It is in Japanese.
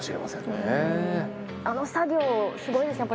あの作業すごいですね。